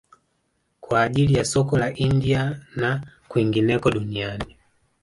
Kwa ajili ya soko la India na kwingineko duniani